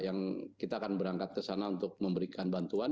yang kita akan berangkat kesana untuk memberikan bantuan